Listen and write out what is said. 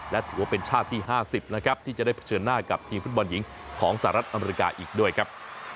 และถือว่าเป็นชาติที่๕๐นะครับที่จะได้เผชิญหน้ากับทีมฟุตบอลหญิงของสหรัฐอเมริกาอีกด้วยครับ